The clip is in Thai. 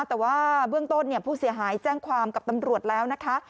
แต่ว่าเบื้องต้นผู้เสียหายแจ้งความกับตำรวจแล้วนะคะ